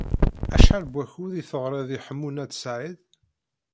Acḥal n wakud i teɣṛiḍ i Ḥemmu n At Sɛid?